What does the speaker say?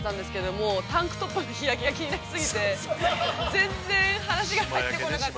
もうタンクトップの日焼けが気になりすぎて、全然話が入ってこなかった。